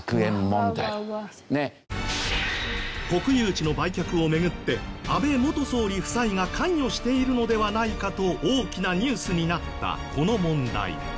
国有地の売却を巡って安倍元総理夫妻が関与しているのではないかと大きなニュースになったこの問題。